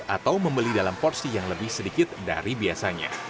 atau membeli dalam porsi yang lebih sedikit dari biasanya